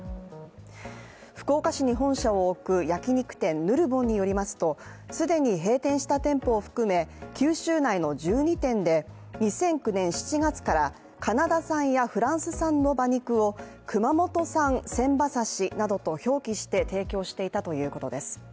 福岡市に本社を置く焼き肉店ヌルボンによりますと既に閉店した店舗を含め、九州内の１２店で２００９年７月からカナダ産やフランス産の馬肉を熊本産鮮馬刺などと表記して提供していたということです。